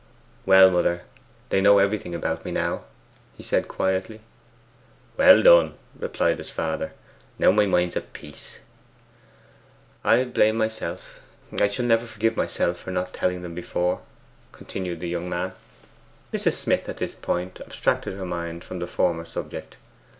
'Well, mother, they know everything about me now,' he said quietly. 'Well done!' replied his father; 'now my mind's at peace.' 'I blame myself I never shall forgive myself for not telling them before,' continued the young man. Mrs. Smith at this point abstracted her mind from the former subject.